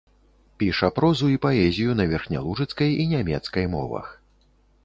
Піша прозу і паэзію на верхнялужыцкай і нямецкай мовах.